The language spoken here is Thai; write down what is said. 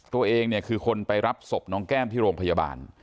ตัวเองเนี่ยคือคนไปรับศพน้องแก้มที่โรงพยาบาล